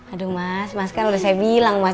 aduh mas mas kan udah saya bilang mas